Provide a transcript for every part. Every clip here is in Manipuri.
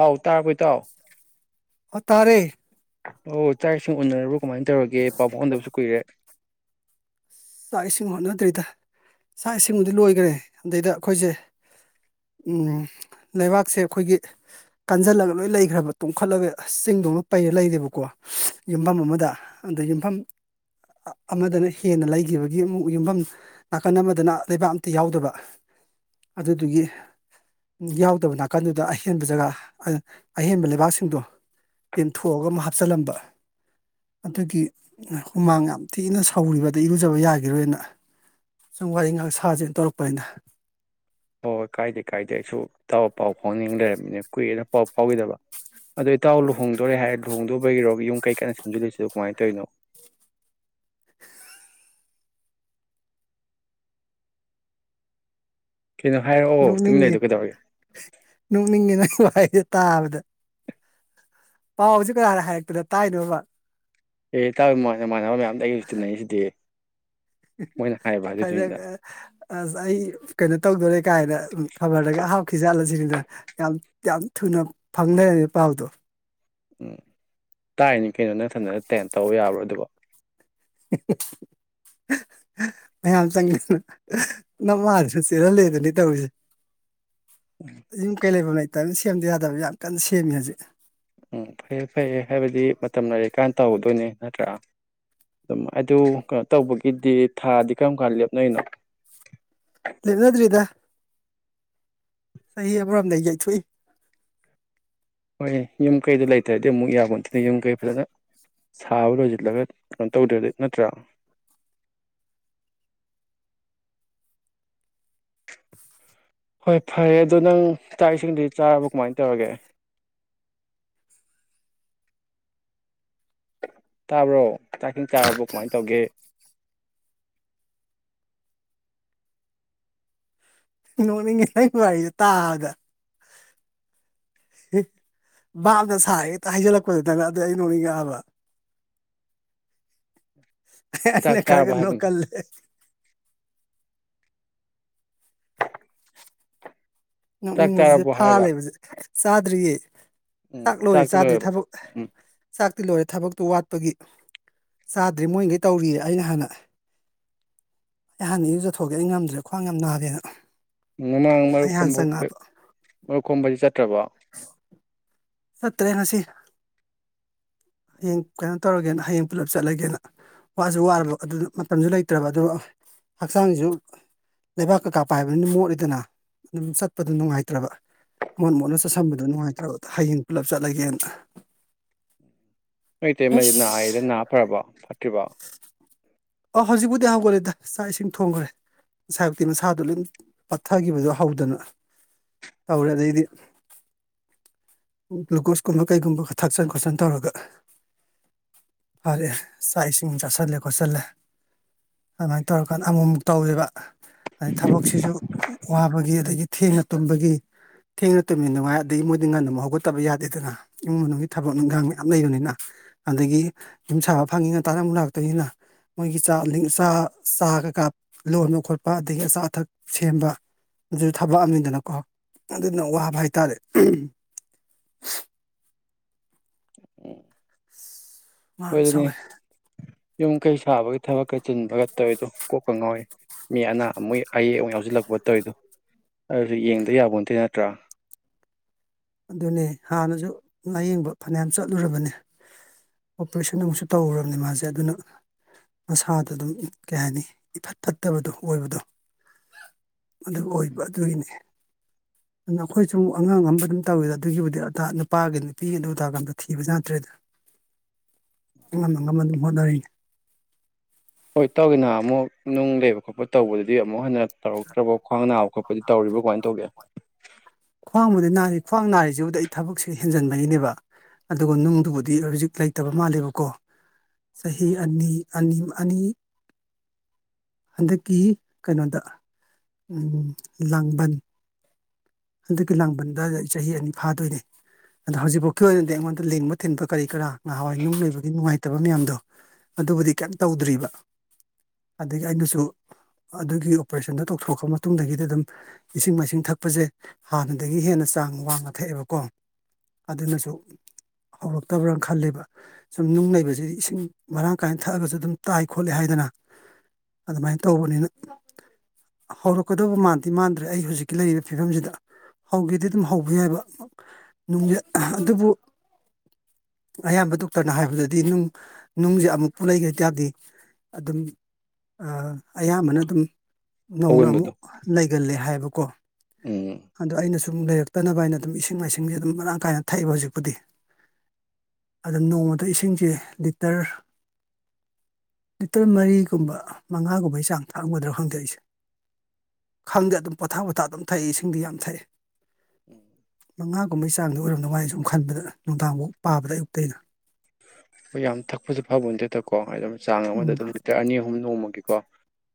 ꯑꯥꯎ ꯇꯥꯕꯨꯣꯏ ꯇ ꯑꯣꯇꯥꯔꯦ ꯑꯣ ꯆꯥꯛ ꯏꯁꯤꯡ ꯎꯅꯔꯕꯨ ꯀꯃꯥꯏꯅ ꯇꯧꯔꯒꯦ ꯄꯥꯎ ꯐꯥꯎꯟꯗꯕꯁꯨ ꯀꯨꯏꯔꯦ ꯆꯥꯛ ꯏꯁꯤꯡ ꯍꯣꯠꯅꯗ꯭ꯔꯤꯗ ꯆꯥꯛ ꯏꯁꯤꯡꯕꯨꯗꯤ ꯂꯣꯏꯈ꯭ꯔꯦ ꯑꯗꯩꯗ ꯑꯩꯈꯣꯏꯁꯦ ꯂꯩꯕꯥꯛꯁꯦ ꯑꯩꯈꯣꯏꯒꯤ ꯀꯟꯁꯤꯜꯂꯒ ꯂꯣꯏ ꯂꯩꯈ꯭ꯔꯕ ꯇꯨꯡꯈꯠꯂꯒ ꯆꯤꯡꯗꯧꯅ ꯄꯩꯔ ꯂꯩꯔꯦꯕꯀꯣ ꯌꯨꯝꯐꯝ ꯑꯃꯗ ꯑꯗ ꯌꯨꯝꯐꯝ ꯑꯃꯗꯅ ꯍꯦꯟꯅ ꯂꯩ ꯈꯤꯕꯒꯤ ꯑꯃꯨꯛ ꯌꯨꯝꯐꯝ ꯅꯥꯀꯟ ꯑꯃꯗꯅ ꯂꯩꯕꯥꯛ ꯑꯝꯇ ꯌꯥꯎꯗꯕ ꯑꯗꯨꯗꯨꯒꯤ ꯌꯥꯎꯗꯕ ꯅꯥꯀꯟꯗꯨꯗ ꯑꯍꯦꯟꯕ ꯖꯒꯥ ꯑꯍꯦꯟꯕ ꯂꯩꯕꯥꯛꯁꯤꯡꯗꯣ ꯇꯦꯝꯊꯣꯛꯑꯒ ꯑꯃ ꯍꯥꯞꯆꯤꯜꯂꯝꯕ ꯑꯗꯨꯒꯤ ꯍꯨꯃꯥꯡ ꯌꯥꯝ ꯊꯤꯅ ꯁꯧꯔꯤꯕꯗ ꯏ ꯐꯖꯕ ꯌꯥꯈꯤꯔꯣꯏꯅ ꯁꯨꯝ ꯋꯥꯔꯤ ꯉꯥꯏꯍꯥꯛ ꯁꯥꯁꯦꯅ ꯇꯧꯔꯛꯄꯅꯤꯅ ꯍꯣꯏ ꯍꯣꯏ ꯀꯥꯏꯗꯦ ꯀꯥꯏꯗꯦ ꯑꯩꯁꯨ ꯇꯥꯎꯕ ꯄꯥꯎ ꯐꯥꯎꯅꯤꯡ ꯂꯩꯔꯕꯝꯃꯤꯅꯦ ꯀꯨꯏꯔꯦꯅ ꯄꯥꯎ ꯐꯥꯎꯈꯤꯗꯕ ꯑꯗꯣ ꯏꯥꯎ ꯂꯨꯍꯣꯡꯗꯣꯔꯦ ꯍꯥꯏꯔ ꯂꯨꯍꯣꯡꯗꯕꯒꯤꯔꯣ ꯌꯨꯝ ꯀꯩ ꯀꯟꯅ ꯁꯦꯝꯖꯤꯂꯁꯤꯣ ꯀꯃꯥꯏꯅ ꯇꯧꯔꯤꯅꯣ ꯀꯩꯅꯣ ꯍꯥꯏꯔꯛꯑꯣ ꯇꯃꯤ ꯂꯩꯗꯣ ꯀꯩꯧꯔꯒꯦ ꯅꯣꯛꯅꯤꯡꯉꯤ ꯅꯪ ꯋꯥꯍꯩꯁꯦ ꯇꯥꯕꯗ ꯄꯥꯎꯁꯤ ꯀꯅꯥꯅ ꯍꯥꯏꯔꯛꯇꯅ ꯇꯥꯏꯅꯣꯕ꯫ ꯑꯦ [unintelligible] ꯃꯥꯟꯅꯕ ꯃꯌꯥꯝꯗꯣ ꯑꯩꯁꯨ ꯇꯤꯟꯅꯩꯁꯤꯗꯤ꯫ [unintelligible] ꯃꯣꯏꯅ ꯍꯥꯏꯕ ꯑꯗꯨꯏꯗꯨꯅꯤꯗ ꯑꯁ ꯑꯩ ꯀꯩꯅꯣ ꯇꯧꯗꯣꯔꯦ ꯀꯥꯏꯅ ꯈꯕꯔꯗꯒ ꯍꯥꯥꯎꯈꯤꯖꯥꯠꯂꯁꯤꯅꯤꯗ꯫ ꯌꯥꯝ ꯌꯥꯝ ꯊꯨꯅ ꯐꯪ ꯂꯩꯔꯝꯃꯦ ꯄꯥꯎꯗꯨ꯫ ꯎꯝ ꯇꯥꯏꯅꯤ ꯀꯩꯅꯣ ꯅꯪꯊꯟꯗꯅ ꯇꯦꯞ ꯇꯧ ꯌꯥꯕ꯭ꯔꯣ ꯑꯗꯨꯕꯣ꯫ [unintelligible] ꯃꯌꯥꯝ ꯆꯪꯉꯦꯗꯅ ꯅ ꯃꯥꯥꯜꯗꯁꯨ ꯆꯦꯜꯍꯜꯂꯦꯗꯅꯤ ꯇꯧꯔꯤꯁꯦ꯫ ꯌꯨꯝ ꯀꯩ ꯂꯩꯐꯝ ꯂꯩꯇꯕ ꯁꯦꯝꯗ ꯌꯥꯗꯕ ꯌꯥꯝ ꯀꯟꯅ ꯁꯦꯝꯃꯤ ꯍꯧꯖꯤꯛ꯫ ꯎꯝ ꯐꯩꯌꯦ ꯐꯩꯌꯦ ꯍꯥꯏꯕꯗꯤ ꯃꯇꯝ ꯂꯥꯏꯔꯤꯛꯀꯥꯟꯅ ꯇꯧꯒꯗꯣꯏꯅꯦ ꯅꯠꯇ꯭ꯔꯥ꯫ ꯑꯗꯨꯝ ꯑꯗꯨ ꯀꯩꯅꯣ ꯇꯧꯕꯒꯤꯗꯤ ꯊꯥꯗꯤ ꯀꯔꯝ ꯀꯥꯟ ꯂꯦꯞꯅꯩꯅꯣ꯫ ꯂꯦꯞꯅꯗ꯭ꯔꯤꯗ꯫ ꯆꯍꯤ ꯑꯃꯔꯣꯝꯗꯒꯤ ꯌꯩꯊꯣꯛꯏ꯫ ꯍꯣꯏ ꯌꯨꯝ ꯀꯩꯗꯣ ꯂꯩꯇ꯭ꯔꯗꯤ ꯑꯃꯨꯛ ꯌꯥꯕ ꯅꯠꯇꯦꯗ ꯌꯨꯝ ꯀꯩ ꯐꯖꯅ ꯁꯥꯕ ꯂꯣꯏꯁꯤꯜꯂꯒ ꯀꯩꯅꯣ ꯇꯧꯗ꯭ꯔꯗꯤ ꯅꯠꯇ꯭ꯔꯥ꯫ ꯍꯣꯏ ꯐꯔꯦ ꯑꯗꯣ ꯅꯪ ꯆꯥꯛ ꯏꯁꯤꯡꯗꯤ ꯆꯥꯔꯕꯣ ꯀꯃꯥꯏꯅ ꯇꯧꯔꯒꯦ꯫ ꯇꯥꯕ꯭ꯔꯣ ꯆꯥꯛ ꯏꯁꯤꯡ ꯆꯥꯔꯕ꯭ꯔꯣ ꯀꯃꯥꯏꯅ ꯇꯧꯒꯦ꯫ ꯅꯣꯛꯅꯤꯡꯉꯦ ꯅꯪ ꯋꯥꯔꯤꯔꯤꯗ ꯇꯥꯕꯗ ꯕꯥꯞꯅ ꯁꯥꯔ ꯍꯦꯛꯇ ꯍꯥꯏꯖꯤꯜꯂꯛꯄꯗꯨꯗꯅ ꯑꯗꯨꯗ ꯑꯩ ꯅꯣꯡꯅꯤꯡ ꯉꯛꯑꯕ꯫ ꯎ ꯑꯩꯅ ꯈꯥꯔꯒ ꯅꯣꯛꯀꯜꯂꯦ꯫ ꯆꯥꯛ ꯅꯣꯛꯅꯤꯡꯕꯁꯤꯁꯨ ꯆꯥꯔꯕꯣ ꯍꯥꯏꯔꯒ ꯐꯂꯩꯕꯁꯤ ꯆꯥꯗ꯭ꯔꯤꯌꯦ ꯎꯝ ꯆꯥꯛ ꯂꯣꯏꯔꯦ ꯆꯥꯛꯇꯤ ꯆꯥꯗ꯭ꯔꯤ ꯂꯣꯏꯔꯕꯣ ꯊꯕꯛ ꯎꯝ ꯆꯥꯛꯇꯤ ꯂꯣꯏꯔꯦ ꯊꯕꯛꯇꯨ ꯋꯥꯠꯄꯒꯤ꯫ ꯆꯥꯗ꯭ꯔꯤ ꯃꯣꯏꯒꯩ ꯇꯧꯔꯤꯌꯦ ꯑꯩꯅ ꯍꯥꯟꯅ ꯑꯩ ꯍꯥꯟꯅ ꯑꯦꯔꯨꯖꯀꯣꯛꯑꯒꯦ ꯑꯩ ꯉꯝꯗ꯭ꯔꯦ ꯈꯋꯥꯡ ꯌꯥꯝ ꯅꯥꯔꯦꯅ꯫ ꯃꯃꯥꯡ ꯃꯔꯨꯞ ꯑꯩ ꯍꯥꯟꯅ ꯈꯣꯝꯕꯗꯤ ꯆꯪꯉꯛꯑꯕ ꯃꯔꯨꯞ ꯈꯣꯝꯕꯗꯤ ꯆꯠꯇ꯭ꯔꯕꯣ꯫ [unintelligible] ꯆꯠꯇꯔꯦ ꯉꯁꯤ꯫ ꯍꯌꯦꯡ ꯀꯩꯅꯣ ꯇꯧꯔꯒꯦꯅ ꯍꯌꯦꯡ ꯄꯨꯂꯞ ꯆꯠꯂꯒꯦꯅ ꯋꯥꯁꯨ ꯋꯥꯔꯕ ꯑꯗꯨꯅ ꯃꯇꯝꯁꯨ ꯂꯩꯇ꯭ꯔꯕ ꯑꯗꯨꯒ ꯍꯛꯆꯥꯡꯁꯤꯁꯨ ꯂꯩꯕꯥꯛ ꯀꯩꯀꯥ ꯄꯥꯏꯕꯅꯤꯅ ꯃꯣꯠꯂꯤꯗꯅ ꯑꯗꯨꯝ ꯆꯠꯄꯗꯣ ꯅꯨꯡꯉꯥꯏꯇ꯭ꯔꯕ꯫ ꯃꯣꯠ ꯃꯣꯠꯅ ꯆꯠꯁꯟꯕꯗ ꯅꯨꯡꯉꯥꯏꯇ꯭ꯔꯕꯗ ꯍꯌꯦꯡ ꯄꯨꯂꯞ ꯆꯠꯂꯒꯦꯅ꯫ ꯅꯣꯏ ꯏꯇꯩꯃꯗꯤ ꯅꯥꯏꯌꯦꯗ ꯑꯁ ꯅꯥ ꯐꯔꯕꯣ ꯐꯠꯇ꯭ꯔꯤꯕꯣ꯫ ꯑꯧ ꯍꯧꯖꯤꯛꯄꯨꯗꯤ ꯍꯧꯈꯂꯦꯗ ꯆꯥꯛ ꯏꯁꯤꯡ ꯊꯣꯡꯈ꯭ꯔꯦ꯫ ꯉꯁꯥꯏꯕꯨꯛꯇꯤ ꯃꯁꯥꯗꯨ ꯂꯣꯏꯝ ꯄꯠꯊꯈꯤꯕꯗꯨ ꯍꯧꯗꯅ ꯇꯧꯔꯦ ꯑꯗꯩꯗꯤ꯫ ꯒ꯭ꯂꯨꯀꯣꯁꯀꯨꯝꯕ ꯀꯩꯒꯨꯝꯕ ꯈꯔ ꯊꯥꯛꯁꯟ ꯈꯣꯠꯆꯟ ꯇꯧꯔꯒ꯫ ꯐꯔꯦ ꯆꯥꯛ ꯏꯁꯤꯡ ꯆꯁꯤꯜꯂꯦ ꯈꯣꯁꯤꯜꯂꯦ꯫ ꯑꯗꯨꯃꯥꯏꯅ ꯇꯧꯔꯀꯥꯟꯗ ꯑꯃꯨꯛꯃꯨꯛ ꯇꯧꯋꯦꯕ꯫ ꯑꯗꯩ ꯊꯕꯛꯁꯤꯁꯨ ꯋꯥꯕꯒꯤ ꯑꯗꯒꯤ ꯊꯦꯡꯅ ꯇꯨꯝꯕꯒꯤ꯫ ꯊꯦꯡꯅ ꯇꯨꯝꯃꯤꯗꯤꯉꯥꯏ ꯑꯗꯩꯩ ꯃꯣꯏꯗꯤ ꯉꯟꯅ ꯑꯃꯨꯛ ꯍꯧ ꯍꯧꯒꯠꯇꯕ ꯌꯥꯗꯦꯗꯅ ꯏꯃꯨꯡ ꯃꯅꯨꯡꯒꯤ ꯊꯕꯛ ꯏꯪꯈꯡ ꯃꯌꯥꯝ ꯂꯩꯕꯅꯤꯅ꯫ ꯑꯗꯒꯤ ꯌꯨꯝ ꯁꯥꯕ ꯐꯪꯉꯤꯅ ꯉꯥꯟꯇꯅ ꯑꯃꯨꯛ ꯂꯥꯛꯇꯣꯏꯅꯤꯅ ꯃꯣꯏꯒꯤ ꯆꯥꯛ ꯆ ꯆꯥꯒ ꯀꯥ ꯂꯣꯟꯕ ꯈꯣꯠꯄ ꯑꯗꯒꯤ ꯑꯆꯥ ꯑꯊꯛ ꯁꯦꯝꯕ꯫ ꯑꯗꯨꯁꯨ ꯊꯕꯛꯑꯅꯤꯗꯅꯀꯣ ꯑꯗꯨꯅ ꯋꯥꯕ ꯍꯥꯏꯇꯥꯔꯦ꯫ ꯎꯝ ꯋꯥ ꯍꯣꯏ ꯌꯥꯝ ꯑꯗꯨꯅꯤ ꯁꯧꯋꯦ ꯌꯨꯝ ꯀꯩ ꯁꯥꯕꯒꯤ ꯊꯕꯛꯀ ꯆꯤꯟꯕꯒ ꯇꯧꯔꯤꯗꯣ ꯀꯣꯛꯀ ꯉꯥꯎꯋꯤ꯫ ꯃꯤ ꯑꯅꯥ ꯃꯣꯏ ꯑꯌꯦꯛ ꯑꯨꯛ ꯌꯥꯎꯁꯤꯜꯂꯛꯄ ꯇꯧꯔꯤꯗꯣ ꯑꯗꯨ ꯌꯦꯡꯗ ꯌꯥꯕ ꯅꯠꯇ ꯅꯠꯇ꯭ꯔꯥ꯫ ꯑꯗꯨꯅꯦ ꯍꯥꯟꯅꯁꯨ ꯂꯥꯏꯌꯦꯡꯕ ꯐꯅꯌꯥꯝ ꯆꯠꯂꯨꯔꯕꯅꯤ꯫ ꯑꯣꯄꯔꯦꯁꯟ ꯑꯃꯨꯛꯁꯨ ꯇꯧꯔꯨꯔꯕꯅꯤ ꯃꯥꯁꯦ ꯑꯗꯨꯅ ꯃꯁꯥꯗ‌ꯣ ꯑꯗꯨꯝ ꯀꯩ ꯍꯥꯏꯅꯤ ꯏꯐꯠ ꯐꯠꯇꯕꯗꯣ ꯑꯣꯏꯕꯗꯨ꯫ ꯍꯟꯗꯥꯛ ꯑꯣꯏꯕ ꯑꯗꯨꯒꯤꯅꯤ ꯑꯗꯨꯅ ꯑꯩꯈꯣꯏꯁꯨ ꯑꯃꯛ ꯑꯉꯥꯡ ꯑꯃ ꯑꯗꯨꯝ ꯇꯧꯋꯤꯗ ꯑꯗꯨꯒꯤꯕꯨꯗꯤ ꯑ ꯅꯨꯄꯥꯒꯤ ꯅꯨꯄꯤꯒꯤ ꯑꯗꯨ ꯎꯗꯥ ꯀ ꯑꯝꯇ ꯊꯤꯕ ꯌꯥꯗ꯭ꯔꯦꯗ ꯑꯉꯝ ꯑ ꯉꯝꯟꯅ ꯑꯗꯨꯝꯣꯠꯅꯔꯤꯅꯤ ꯍꯣꯏ ꯇꯧꯒꯦꯅꯍ ꯑꯃꯨꯛ ꯅꯨꯡ ꯂꯩꯕ ꯈꯣꯠꯄ ꯇꯧꯕꯗꯨꯗꯤ ꯑꯗꯨꯗꯤ ꯑꯃꯨꯛ ꯍꯟꯅ ꯇꯧꯔꯛꯇ꯭ꯔꯕ ꯈ꯭ꯋꯥꯡ ꯅꯥꯕ ꯈꯣꯠꯄꯗꯤ ꯇꯧꯔꯤꯕ ꯀꯃꯥꯏꯅ ꯇꯧꯒꯦ ꯈ꯭ꯋꯥꯡꯕꯨꯗꯤ ꯅꯥꯔꯤ ꯈ꯭ꯋꯥꯡ ꯅꯥꯔꯤꯁꯤꯕꯨꯗꯤ ꯑꯩ ꯊꯕꯛꯁꯦ ꯍꯦꯟꯖꯟꯕꯒꯤꯅꯦꯕ ꯑꯗꯨꯒ ꯅꯨꯡꯗꯨꯕꯨꯗꯤ ꯍꯧꯖꯤꯛ ꯂꯩꯇꯕ ꯃꯥꯜꯂꯦꯕꯀꯣ ꯆꯍꯤ ꯑꯅꯤ ꯑꯅꯤ ꯑꯅꯤ ꯍꯟꯗꯛꯀꯤ ꯀꯩꯅꯣꯗ ꯂꯥꯡꯕꯟ ꯍꯟꯛꯀꯤ ꯂꯥꯡꯕꯟꯗ ꯆꯍꯤ ꯑꯅꯤ ꯐꯥꯗꯣꯏꯅꯦ ꯑꯗꯣ ꯍꯧꯖꯤꯛꯐꯥꯎꯒꯤ ꯑꯣꯏꯅꯗꯤ ꯑꯩꯉꯣꯟꯗ ꯂꯦꯡꯕ ꯊꯤꯟꯕ ꯀꯔꯤ ꯀꯔꯥ ꯅꯍꯥꯟꯋꯥꯏ ꯅꯨꯡ ꯂꯩꯕꯒꯤ ꯅꯨꯡꯉꯥꯏꯇꯕ ꯃꯌꯥꯝꯗꯣ ꯑꯗꯨꯕꯨꯗꯤ ꯀꯩꯝ ꯇꯧꯗ꯭ꯔꯤꯕ ꯑꯗꯒꯤ ꯑꯩꯅꯁꯨ ꯑꯗꯨꯒꯤ ꯑꯣꯄꯔꯦꯁꯟꯗꯣ ꯇꯧꯊꯣꯛꯈ꯭ꯔ ꯃꯇꯨꯡꯗꯒꯤꯗꯤ ꯑꯗꯨꯝ ꯏꯁꯤꯡ ꯃꯥꯏꯁꯤꯡ ꯊꯛꯄꯁꯦ ꯍꯥꯟꯅꯗꯒꯤ ꯍꯦꯟꯅ ꯆꯥꯡ ꯋꯥꯡꯅ ꯊꯛꯑꯦꯕꯀꯣ ꯑꯗꯨꯅꯁꯨ ꯍꯧꯔꯛꯇꯕ꯭ꯔꯅ ꯈꯜꯂꯦꯕ ꯁꯨꯝ ꯅꯨꯡ ꯂꯩꯩꯕꯁꯤꯗꯤ ꯏꯁꯤꯡ ꯃꯔꯥꯡ ꯀꯥꯏꯅ ꯊꯛꯑꯒꯁꯨ ꯑꯗꯨꯝ ꯇꯥꯏ ꯈꯣꯠꯂꯦ ꯍꯥꯏꯗꯅ ꯑꯗꯨꯃꯥꯏꯅ ꯇꯧꯕꯅꯤꯅ ꯍꯧꯔꯛꯀꯗꯧꯕ ꯃꯥꯟꯗꯤ ꯃꯥꯟꯗ꯭ꯔꯦ ꯑꯩ ꯍꯧꯖꯤꯛꯀꯤ ꯂꯩꯔꯤꯕ ꯐꯤꯕꯝꯖꯤꯗ ꯍꯧꯒꯦꯗꯤ ꯑꯗꯨꯝ ꯍꯧꯕ ꯌꯥꯏꯕꯅꯨꯡꯠ ꯑꯗꯨꯕꯨ ꯑꯌꯥꯝꯕ ꯗꯣꯛꯇꯔꯅ ꯍꯥꯏꯕꯗꯗꯤ ꯅꯨꯡ ꯅꯨꯡꯁꯦ ꯑꯃꯨꯛꯄꯨ ꯂꯩꯈ꯭ꯔ ꯇꯗꯦ ꯑꯗꯨꯝ ꯑꯌꯥꯝꯕꯅ ꯑꯗꯨꯝ ꯅꯧꯅ ꯑꯑꯣꯟꯕꯗꯣ ꯑꯃꯨꯛ ꯂꯩꯒꯜꯂꯦ ꯍꯥꯏꯕꯀꯣ ꯎꯝ ꯑꯗꯣ ꯑꯩꯅ ꯁꯨꯝ ꯂꯩꯔꯛꯇꯅꯕ ꯑꯩꯅ ꯑꯗꯨꯝ ꯏꯁꯤꯡ ꯃꯥꯏꯁꯤꯡꯁꯦ ꯑꯗꯨꯝ ꯃꯔꯥꯡ ꯀꯥꯏꯅ ꯊꯛꯑꯕ ꯍꯧꯖꯤꯛꯄꯨꯗꯤ ꯑꯗ ꯅꯣꯡꯃꯗ ꯏꯁꯤꯡꯁꯦ ꯂꯤꯇꯔ ꯂꯤꯇꯔ ꯃꯔꯤꯒꯨꯝꯕ ꯃꯉꯥꯒꯨꯝꯕꯩ ꯆꯥꯡ ꯊꯥꯛꯑꯝꯒꯗ꯭ꯔꯣ ꯍꯪꯗꯣꯛꯏꯁꯦ ꯈꯪꯗꯦ ꯑꯗꯨꯝ ꯄꯣꯊꯥꯞ ꯄꯣꯊꯥ ꯑꯗꯨꯝ ꯊꯛꯏ ꯏꯁꯤꯡꯗꯤ ꯌꯥꯝ ꯊꯛꯏ ꯎꯝ ꯃꯉꯥꯒꯨꯝꯕꯒꯤ ꯆꯥꯡꯗ ꯑꯣꯏꯔꯝꯗ ꯋꯥꯔꯤ ꯑꯩ ꯁꯨꯝ ꯈꯟꯕꯗ ꯅꯨꯡꯗꯥꯡꯐꯥꯎ ꯄꯥꯕꯗ ꯑꯌꯨꯛꯇꯩꯅ ꯍꯣꯏ ꯌꯥꯝ ꯊꯛꯄꯁꯨ ꯐꯕ ꯅꯠꯇꯦꯠꯇꯀꯣ ꯍꯥꯏ ꯑꯗꯨ ꯆꯥꯡ ꯑꯃꯗ ꯎꯝ ꯑꯗꯨꯝ ꯂꯤꯇꯔ ꯑꯅꯤ ꯑꯍꯨꯝ ꯅꯣꯡꯃꯒꯤꯀꯣ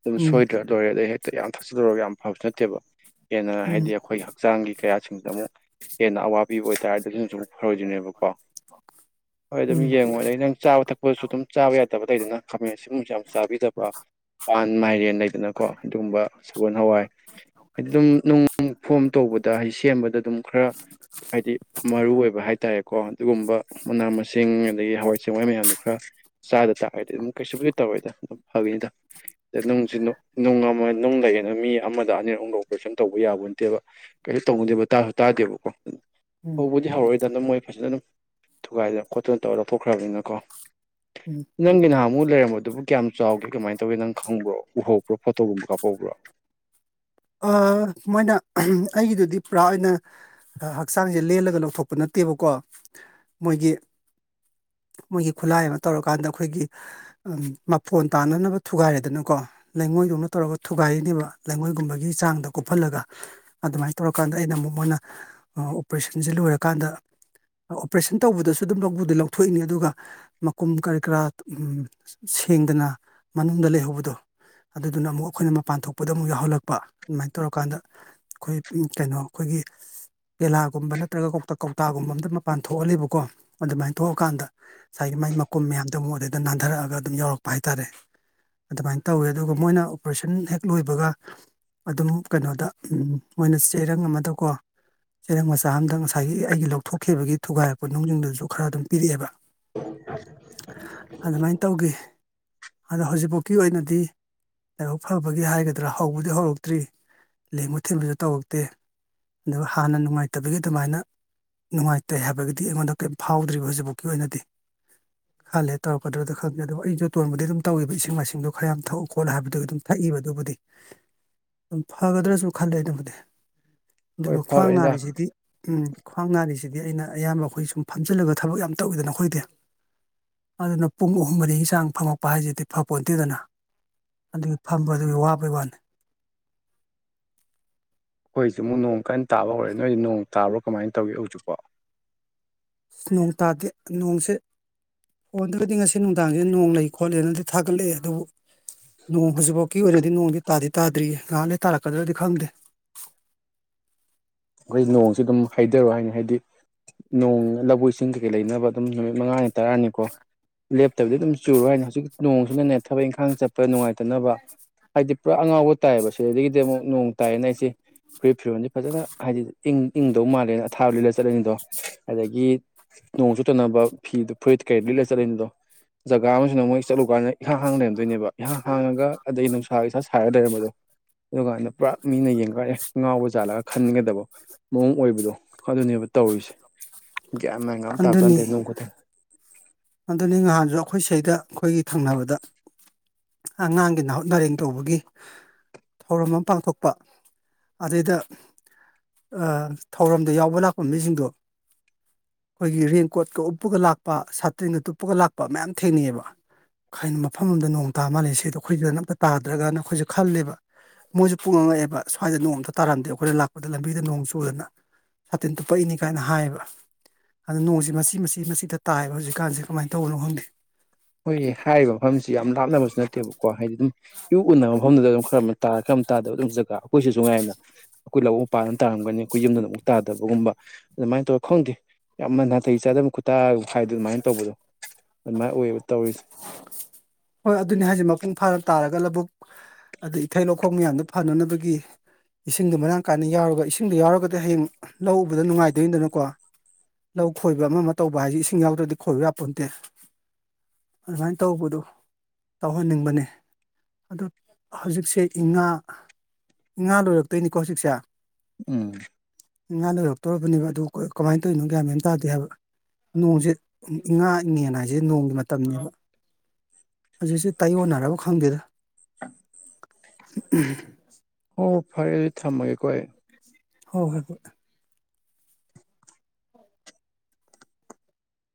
ꯑꯗꯨꯝ ꯎꯝ ꯁꯣꯏꯗ꯭ꯔ ꯂꯣꯏꯔꯦ ꯑꯗꯩ ꯍꯦꯛꯇ ꯌꯥꯝ ꯊꯛꯆꯂꯔꯒ ꯌꯥꯝ ꯐꯕꯁꯨ ꯅꯠꯇꯦꯕ ꯍꯦꯟꯅ ꯎꯝ ꯍꯥꯏꯗꯤ ꯑꯩꯈꯣꯏ ꯍꯛꯆꯥꯡꯒꯤ ꯀꯌꯥꯁꯤꯡꯁꯤꯗ ꯑꯃꯨꯛ ꯍꯦꯟꯅ ꯑꯋꯥꯕꯤ ꯑꯣꯏꯇꯥꯔꯒꯁꯨꯁꯨ ꯑꯃꯨꯛ ꯐꯔꯣꯏꯗꯣꯏꯅꯦꯕꯀꯣ ꯍꯣꯏ ꯑꯗꯨꯝ ꯎꯝ ꯌꯦꯡꯉꯣ ꯑꯗꯗꯒꯤ ꯅꯪ ꯆꯥꯕ ꯊꯛꯄꯗꯁꯨ ꯑꯗꯨꯝ ꯆꯥꯕ ꯌꯥꯗꯕ ꯂꯩꯗꯅ ꯈꯥꯃꯦꯟ ꯑꯁꯤꯒꯨꯝꯕꯁꯨ ꯌꯥꯝ ꯆꯥꯕꯤꯗꯕ ꯃ ꯄꯥꯟ ꯃꯥꯏꯔꯦꯟ ꯂꯩꯗꯅꯀꯣ ꯑꯗꯨꯒꯨꯝꯕ ꯁꯒꯣꯜ ꯍꯋꯥꯏ ꯍꯥꯏꯗꯤ ꯑꯗꯨꯝ ꯅꯨꯡ ꯐꯣꯝ ꯇꯧꯕꯗ ꯍꯥꯏꯗꯤ ꯁꯦꯝꯕꯗ ꯑꯗꯨꯝ ꯈꯔ ꯍꯥꯏꯗꯤ ꯃꯔꯨ ꯑꯣꯏꯕ ꯍꯥꯏꯇꯥꯔꯦꯀꯣ ꯑꯗꯨꯒꯨꯝꯕ ꯃꯅꯥ ꯃꯁꯤꯡ ꯏꯁꯤꯡ ꯑꯗꯒꯤ ꯍꯋꯥꯏ ꯆꯦꯡꯋꯥꯏ ꯃꯌꯥꯝꯗꯣ ꯈꯔ ꯆꯥꯗ ꯇꯥꯔꯗꯤ ꯑꯗꯨꯝ ꯀꯩꯁꯨ ꯀꯩꯁꯨ ꯇꯧꯔꯦꯗ ꯑꯗꯨꯝ ꯐꯉꯅꯤꯗ ꯑ ꯅꯨꯡꯁꯤ ꯅꯨꯡ ꯑꯃ ꯅꯨꯡ ꯂꯩꯒꯅ ꯃꯤ ꯑꯃꯗ ꯑꯅꯤꯔ ꯑꯨꯝꯗ ꯑꯣꯄꯔꯦꯁꯟ ꯇꯧꯕ ꯌꯥꯕ ꯅꯠꯇꯦꯕ ꯀꯩꯅꯣ ꯇꯧꯅꯨꯗꯦꯕ ꯇꯥꯁꯨ ꯇꯥꯗꯦꯕꯀꯣ ꯎ ꯎꯝ ꯍꯧꯕꯗꯤ ꯍꯧꯔꯛꯏꯗ ꯑꯗꯨꯝ ꯃꯣꯏ ꯐꯖꯅ ꯑꯗꯨꯝ ꯊꯨꯒꯥꯏꯗꯅ ꯈꯣꯠꯇꯅ ꯇꯧꯔ ꯂꯧꯊꯣꯛꯈ꯭ꯔꯕꯅꯤꯅꯀꯣ ꯎꯝ ꯅꯪꯒꯤ ꯅꯍꯥꯟꯃꯨꯛ ꯂꯩꯔꯝꯕꯗꯨꯕꯨ ꯀꯌꯥꯝ ꯆꯥꯎꯗ꯭ꯔꯦ ꯀꯃꯥꯏꯅ ꯇꯧꯋꯦ ꯅꯪ ꯈꯪꯕ꯭ꯔꯣ ꯎꯍꯧꯕ꯭ꯔꯣ ꯐꯣꯇꯣꯨꯝꯕ ꯀꯥꯞꯍꯧꯕ꯭ꯔꯣ ꯃꯣꯏꯅ ꯑꯩꯒꯤꯗꯨꯗꯤ ꯄꯨꯔꯥ ꯑꯣꯏꯅ ꯍꯛꯆꯥꯡꯁꯦ ꯂꯦꯜꯂꯒ ꯂꯧꯊꯣꯛꯄ ꯅꯠꯇꯦꯕꯀꯣ ꯃꯣꯏꯒꯤ ꯃꯣꯏꯒꯤ ꯈꯨꯠꯂꯥꯏ ꯑꯃ ꯇꯧꯔꯀꯥꯟꯗ ꯑꯩꯈꯣꯏꯒꯤ ꯃꯐꯣꯟ ꯇꯥꯅꯅꯕ ꯊꯨꯒꯥꯏꯔꯦꯗꯅꯀꯣ ꯂꯩꯉꯣꯏꯗꯧꯅ ꯇꯧꯔꯒ ꯊꯨꯒꯥꯏꯔꯤꯅꯦꯕ ꯂꯩꯉꯣꯏꯒꯨꯝꯕꯒꯤ ꯆꯥꯡꯗ ꯀꯨꯞꯍꯜꯂꯒ ꯑꯗꯨꯃꯥꯏꯅ ꯇꯧꯔꯀꯥꯟꯗ ꯑꯩꯅ ꯑꯃꯨꯛ ꯃꯣꯏꯅ ꯑꯣꯄꯔꯦꯁꯟꯁꯤꯦ ꯂꯣꯏꯔꯀꯥꯟꯗ ꯑꯣꯄꯔꯦꯁꯟ ꯇꯧꯕꯗꯁꯨ ꯑꯗꯨꯝ ꯂꯗꯤ ꯂꯧꯊꯣꯛꯏꯅꯤ ꯑꯗꯨꯒ ꯃꯀꯨꯝ ꯀꯔꯤ ꯀꯔꯥ ꯎ ꯁꯦꯡꯗꯅ ꯃꯅꯨꯡꯗ ꯂꯩꯍꯧꯕꯗꯣ ꯑꯗꯨꯗꯨꯅ ꯑꯃꯨꯛ ꯑꯩꯈꯣꯏꯅ ꯃꯄꯥꯟ ꯊꯣꯛꯄꯗ ꯑꯃꯨꯛ ꯌꯥꯎꯍꯜꯂꯛꯄ ꯑꯗꯨꯃꯥꯏꯅ ꯇꯧꯔꯀꯥꯟꯗ ꯑꯩꯈꯣꯏ ꯀꯩꯅꯣ ꯑꯩꯈꯣꯏꯒꯤ ꯀꯦꯂꯥꯒꯨꯝꯕ ꯅꯠꯇ꯭ꯔꯒ ꯀꯧ ꯀꯧꯇꯥꯒꯨꯝꯕ ꯑꯃꯗ ꯃꯄꯥꯟ ꯊꯣꯛꯍꯜꯂꯤꯕꯀꯣ ꯑꯗꯨꯃꯥꯏꯅ ꯊꯣꯛꯑꯀꯥꯟꯗ ꯉꯁꯥꯏꯒꯤ ꯃꯥꯏ ꯃꯀꯨꯝ ꯃꯌꯥꯝꯗꯣ ꯑꯃꯨꯛ ꯑꯗꯨꯗꯩꯗ ꯅꯥꯟꯊꯔꯛꯑꯒ ꯑꯗꯨꯝ ꯌꯥꯎꯔꯛꯄ ꯍꯥꯏꯇꯥꯔꯦ ꯑꯗꯨꯃꯥꯏꯅ ꯇꯧꯋꯦ ꯑꯗꯨꯒ ꯃꯣꯏꯅ ꯑꯣꯄꯔꯦꯁꯟ ꯍꯦꯛ ꯂꯣꯏꯕꯒ ꯑꯗꯨꯝ ꯀꯩꯅꯣꯗ ꯎ ꯃꯣꯏꯅ ꯆꯦꯔꯪ ꯑꯃꯗꯒꯣ ꯆꯦꯔꯪ ꯃꯆꯥ ꯑꯝꯗ ꯉꯁꯥꯏꯒꯤ ꯑꯩꯒꯤ ꯂꯧꯊꯣꯛꯈꯤꯕꯒꯤ ꯊꯨꯒꯥꯏꯔꯛꯄ ꯅꯨꯡꯖꯨꯗꯨꯁꯨ ꯈꯔ ꯑꯗꯨꯝ ꯄꯤꯔꯛꯑꯦꯕ ꯑꯗꯨꯃꯥꯏꯅ ꯇꯧꯒꯦ ꯑꯗꯣ ꯍꯧꯖꯤꯛꯐꯥꯎꯒꯤ ꯑꯣꯏꯅꯗꯤ ꯂꯥꯏꯕꯛ ꯐꯕꯒꯤ ꯍꯥꯏꯒꯗ꯭ꯔꯥ ꯍꯧꯕꯗꯤ ꯍꯧꯔꯛꯇ ꯇ꯭ꯔꯤ ꯂꯦꯡꯕ ꯊꯤꯟꯕꯁꯨ ꯇꯧꯔꯛꯇꯦ ꯑꯗꯨꯒ ꯍꯥꯟꯅ ꯅꯨꯡꯉꯥꯏꯇꯕꯒꯤ ꯑꯗꯨꯃꯥꯏꯅ ꯅꯨꯡꯉꯥꯏꯇꯦ ꯍꯥꯏꯕꯒꯤꯗꯤ ꯑꯩꯉꯣꯟꯗ ꯀꯔꯤꯝ ꯐꯥꯎꯗ꯭ꯔꯤꯕ ꯍꯧꯖꯤꯛꯐꯥꯎꯀꯤ ꯑꯣꯏꯅꯗꯤ ꯈꯔ ꯂꯩꯔꯒ ꯇꯧꯔꯛꯒꯗ꯭ꯔꯗꯤ ꯈꯪꯗꯦ ꯑꯗꯣ ꯑꯩꯁꯨ ꯖꯣꯇꯣꯟꯕꯨꯗꯤ ꯑꯗꯨꯝ ꯇꯧꯋꯦꯕ ꯏꯁꯤꯡ ꯃꯥꯢꯗꯣ ꯈꯔ ꯌꯥꯝꯅ ꯊꯛꯎꯨ ꯈꯣꯠꯂꯨ ꯍꯥꯏꯕꯗꯨ ꯑꯗꯨꯝ ꯊꯛꯏꯕ ꯑꯗꯨꯕꯨꯗꯤ ꯑꯗꯨꯝ ꯐꯒꯗ꯭ꯔꯁꯨ ꯈꯜꯂꯦ ꯑꯗꯨꯕꯨꯗꯤ ꯍꯣꯏ ꯑꯗꯨꯒ ꯈ꯭ꯋꯥꯡ ꯐꯕꯅꯤꯗ ꯅꯥꯔꯤꯁꯤꯗꯤ ꯎꯝ ꯈ꯭ꯋꯥꯡ ꯉꯥꯔꯤꯁꯤꯗꯤ ꯑꯩꯅ ꯑꯌꯥꯝꯕ ꯑꯩꯈꯣꯏ ꯁꯨꯝ ꯐꯝꯖꯤꯜꯂꯒ ꯊꯕꯛ ꯌꯥꯝ ꯇꯧꯋꯤꯗꯅ ꯑꯩꯈꯣꯏꯗꯤ ꯑꯗꯨꯅ ꯄꯨꯡ ꯑꯍꯨꯝ ꯃꯔꯤꯒꯤ ꯆꯥꯡ ꯐꯝꯃꯛꯄ ꯍꯥꯏꯁꯤꯗꯤ ꯐ ꯄꯣꯟꯇꯦꯗꯅ ꯑꯗꯨꯒꯤ ꯐꯝꯕꯗꯨꯒꯤ ꯋꯥꯕꯩ ꯋꯥꯅꯤ ꯑꯩꯈꯣꯏꯁꯨ ꯑꯃꯨꯛ ꯅꯣꯡ ꯀꯟꯅ ꯇꯥꯕ ꯍꯧꯔꯦ ꯅꯣꯏ ꯅꯣꯡ ꯇꯥꯕ꯭ꯔꯥ ꯀꯃꯥꯏꯅ ꯇꯧꯒꯦ ꯍꯧꯖꯤꯛꯄꯣ ꯅꯣꯡ ꯇꯥꯗꯦ ꯅꯣꯡꯁꯦ ꯐꯣꯜꯗꯕꯨꯗꯤ ꯉꯁꯤ ꯅꯨꯡꯗꯥꯡꯁꯦ ꯅꯣꯡ ꯂꯩ ꯈꯣꯠꯂꯦꯅꯗꯤ ꯊꯥꯒꯠꯂꯛꯑꯦ ꯑꯗꯨꯕꯨ ꯅꯣꯡ ꯍꯧꯖꯤꯛꯐꯥꯎꯀꯤ ꯑꯣꯏꯅꯗꯤ ꯅꯣꯡꯗꯤ ꯇꯥꯗꯤ ꯇꯥꯗ꯭ꯔꯤ ꯅꯍꯥꯛ ꯂꯩꯔ ꯇꯥꯔꯛꯀꯗ꯭ꯔꯗꯤ ꯈꯪꯗꯦ ꯈꯣꯏ ꯅꯣꯡꯁꯤ ꯑꯗꯨꯝ ꯍꯩꯗꯔꯣ ꯍꯥꯏꯅꯤ ꯍꯥꯏꯗꯤ ꯅꯣꯡ ꯂꯕꯨꯛ ꯏꯁꯤꯡ ꯀꯩꯀꯩ ꯂꯩꯅꯕ ꯑꯗꯨꯝ ꯅꯨꯃꯤꯠ ꯃꯉꯥꯅꯤ ꯇꯔꯥꯅꯤꯀꯣ ꯂꯦꯞꯇꯕꯗꯤ ꯑꯗꯨꯝ ꯆꯨꯔꯨ ꯍꯥꯏꯅꯦ ꯍꯧꯖꯤꯛ ꯅꯣꯡꯁꯨꯅꯅꯦ ꯊꯕꯛ ꯏꯪꯈꯥꯡ ꯆꯠꯄꯗ ꯅꯨꯡꯉꯥꯏꯇꯅꯕ ꯍꯥꯏꯗꯤ ꯄꯨꯔꯥ ꯑꯉꯥꯎꯕ ꯇꯥꯏꯌꯦꯕ ꯁꯤꯗꯒꯤꯗꯤ ꯑꯃꯨꯛ ꯅꯣꯡ ꯇꯥꯏꯌꯦꯅ ꯑꯩꯁꯦ ꯐꯨꯔꯤꯠ ꯐꯤꯔꯣꯟꯜꯗꯤ ꯐꯖꯅ ꯍꯥꯏꯗꯤ ꯏꯪ ꯏꯪꯗꯧ ꯃꯥꯜꯂꯦꯅ ꯑꯊꯥꯕ ꯂꯤꯠꯂ ꯆꯠꯂꯅꯤꯗꯣ ꯑꯗꯒꯤ ꯅꯣꯡ ꯆꯣꯠꯇꯅꯕ ꯐꯤꯗ ꯐꯨꯔꯤꯠ ꯀꯩ ꯂꯤꯠꯂ ꯆꯠꯂꯤꯅꯤꯗꯣ ꯖꯒꯥ ꯑꯃꯁꯨꯅ ꯃꯣꯏ ꯆꯠꯂꯨꯀꯥꯟꯗ ꯏꯍꯥꯡ ꯍꯥꯡꯅ ꯂꯩꯔꯝꯗꯣꯏꯅꯦꯕ ꯏꯍꯥꯡ ꯍꯥꯡꯉꯒ ꯑꯗꯩ ꯅꯨꯡꯁꯥꯒ ꯏꯁꯥ ꯁꯥꯔꯒ ꯂꯩꯔꯝꯕꯗꯣ ꯑꯗꯨ ꯀꯥꯟꯗ ꯄꯨꯔꯥ ꯃꯤꯅ ꯌꯦꯡꯉꯥꯛꯒꯥꯟꯗ ꯑꯦ ꯉꯥꯎꯕꯖꯥꯠꯂꯒ ꯈꯥꯜ ꯈꯟꯒꯗꯕ ꯃꯑꯣꯡ ꯑꯣꯏꯕꯗꯣ ꯑꯗꯨꯅꯦꯕ ꯇꯧꯔꯤꯁꯦ ꯒꯌꯥꯟ ꯃꯦꯡꯒꯥ ꯑꯝ ꯇꯥꯕꯖꯠ ꯑꯗꯨꯅꯤ ꯅꯠꯇꯦ ꯅꯣꯡ ꯈꯨꯠꯇꯁꯦ ꯑꯗꯨꯅꯤ ꯉꯍꯥꯟꯁꯨ ꯑꯩꯈꯣꯏ ꯁꯤꯗ ꯑꯩꯈꯣꯏꯒꯤ ꯊꯪꯅꯕꯗ ꯑꯉꯥꯡꯒꯤ ꯅꯥꯍꯨꯠ ꯅꯔꯦꯡ ꯇꯧꯕꯒꯤ ꯊꯧꯔꯝ ꯑꯃ ꯄꯥꯡꯊꯣꯛꯄ ꯑꯗꯩꯗ ꯊꯧꯔꯝꯗꯣ ꯌꯥꯎꯕ ꯂꯥꯛꯄ ꯃꯤꯁꯤꯡꯗꯣ ꯑꯩꯈꯣꯏꯒꯤ ꯔꯦꯟꯀꯣꯠꯇ ꯎꯞꯄꯒ ꯂꯥꯛꯄ ꯁꯥꯇꯔꯤꯅ ꯇꯨꯞꯞꯄꯒ ꯂꯥꯛꯄ ꯃꯌꯥꯝ ꯊꯦꯡꯅꯩꯑꯦꯕ ꯍꯥꯏꯅ ꯃꯐꯝ ꯑꯃꯗ ꯅꯣꯡ ꯇꯥ ꯃꯥꯜꯂꯦ ꯁꯤꯗ ꯑꯩꯈꯣꯏꯗ ꯑꯝꯇ ꯇꯥꯗ꯭ꯔꯒꯅ ꯑꯩꯈꯣꯏꯁꯨ ꯈꯜꯂꯦꯕ ꯃꯣꯏꯁꯨ ꯄꯨꯡꯉꯛꯑꯦꯕ ꯁ꯭ꯋꯥꯏꯗ ꯅꯣꯡ ꯑꯝꯇ ꯇꯥꯔꯝꯗꯦ ꯑꯩꯈꯣꯏꯅ ꯂꯥꯛꯄꯗ ꯂꯝꯕꯤꯗ ꯅꯣꯡ ꯆꯨꯗꯅ ꯁꯥꯇꯤꯟ ꯇꯨꯞꯄꯛꯏꯅꯤ ꯀꯥꯏꯅ ꯍꯥꯏꯌꯦꯕ ꯑꯗꯨꯗ ꯅꯣꯡꯁꯤ ꯃꯁꯤ ꯃꯁꯤ ꯃꯁꯤꯗ ꯇꯥꯏꯑꯦꯕ ꯍꯧꯖꯤꯛ ꯀꯥꯟꯁꯦ ꯀꯃꯥꯏꯅ ꯇꯧꯕꯅꯣ ꯈꯪꯗꯦ ꯑꯩꯈꯣꯏꯒꯤ ꯍꯥꯏꯔꯤꯕ ꯃꯐꯝꯁꯤ ꯌꯥꯝ ꯂꯥꯞꯅꯕꯁꯨ ꯅꯠꯇꯦꯕ ꯀꯣ ꯍꯥꯏꯗꯤ ꯑꯗꯨꯝ ꯌꯨ ꯎꯅꯕ ꯃꯐꯝꯗꯨꯗ ꯑꯗꯨꯝ ꯈꯔ ꯇꯥꯔ ꯈꯔ ꯑꯃ ꯇꯥꯗꯕ ꯑꯗꯨꯝ ꯖꯒꯥ ꯑꯩꯈꯣꯏꯁꯨ ꯉꯥꯏꯅ ꯑꯩꯈꯣꯏ ꯂꯧ ꯃꯄꯥꯥꯟ ꯑꯃ ꯇꯥꯔꯝꯒꯅꯤ ꯑꯩꯈꯣꯏ ꯌꯨꯝꯗ ꯑꯃꯨꯛ ꯇꯥꯗꯕꯒꯨꯝꯕ ꯑꯗꯨꯃꯥꯏꯅ ꯇꯧꯔꯒ ꯈꯪꯗꯦ ꯌꯥꯝꯅ ꯅꯥꯇꯩꯩ ꯆꯥꯗꯕ ꯈꯨꯠꯇꯒ ꯍꯥꯏꯗꯣ ꯑꯗꯨꯃꯥꯏꯅ ꯇꯧꯕꯗꯣ ꯑꯗꯨꯃꯥꯏꯅ ꯑꯣꯏꯌꯦꯕ ꯇꯧꯔꯤꯁꯦ ꯍꯣꯏ ꯑꯗꯨꯅꯦ ꯍꯥꯏꯁꯦ ꯃꯄꯨꯡ ꯐꯥꯔ ꯇꯥꯔꯒ ꯂꯧꯕꯨꯛ ꯑꯗ ꯏꯊꯩ ꯂꯧꯈꯣꯡ ꯃꯌꯥꯝꯗꯣ ꯐꯥꯅꯅꯕꯒꯤ ꯏꯁꯤꯡꯗꯣ ꯃꯔꯥꯡ ꯀꯥꯏꯅ ꯌꯥꯎꯔꯒ ꯏꯁꯤꯡꯗꯣ ꯌꯥꯎꯔꯒꯗꯤ ꯍꯌꯦꯡ ꯂꯧ ꯎꯕꯗ ꯅꯨꯡꯉꯥꯏꯗꯣꯏꯅꯤꯗꯅꯀꯣ ꯂꯧ ꯈꯣꯏꯕ ꯑꯃ ꯑꯃ ꯇꯧꯕ ꯍꯥꯏꯁꯤ ꯏꯁꯤꯡ ꯌꯥꯎꯗ꯭ꯔꯗꯤ ꯈꯣꯏꯕ ꯌꯥ ꯄꯣꯟꯇꯦ ꯑꯗꯨꯃꯥꯏꯅ ꯇꯧꯕꯗꯨ ꯇꯧꯍꯟꯅꯤꯡꯕꯅꯦ ꯑ ꯍꯧꯖꯤꯛꯁꯦ ꯏꯉꯥ ꯏꯉꯥ ꯂꯣꯏꯔꯛꯇꯣꯏꯅꯤꯀꯣ ꯍꯧꯖꯤꯛꯁꯦ ꯎꯝ ꯉꯥꯗꯣ ꯂꯣꯏꯔꯛꯇꯧꯔꯕꯅꯦꯕ ꯑꯗꯨ ꯀꯃꯥꯏꯅ ꯇꯧꯔꯤꯅꯣ ꯀ꯭ꯌꯥ ꯃꯌꯥꯝ ꯇꯥꯗꯦ ꯍꯥꯏꯕ꯫ ꯅꯣꯡꯁꯦ ꯏꯉꯥ ꯏꯉꯦꯟ ꯍꯥꯏꯁꯦ ꯅꯣꯡꯒꯤ ꯃ ꯇꯝꯅꯦꯕ ꯍꯧꯛꯁꯨ ꯇꯥꯏꯌꯣꯟꯅꯔꯕ ꯈꯪꯗꯦꯗ꯫ [unintelligible] ꯑꯣ ꯐꯔꯦ ꯑꯗꯨꯗꯤ ꯊꯝꯃꯒꯦꯀꯣ ꯑꯩ꯫ ꯍꯣꯏ ꯍꯣꯏ ꯍꯣꯏ꯫